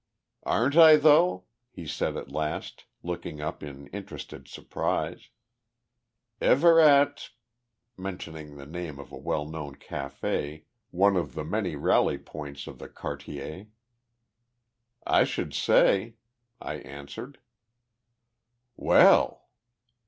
"Aren't I, though?" he said at last, looking up in interested surprise. "Ever at ?" mentioning the name of a well known cafe, one of the many rally points of the Quartier. "I should say," I answered. "Well!"